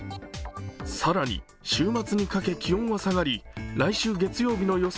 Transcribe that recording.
更に週末にかけ気温は下がり、来週月曜日の予想